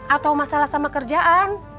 atau masalah sama kerjaan